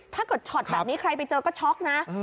ถ้าเกิดช็อตแบบนี้ใครไปเจอก็ช็อคนะ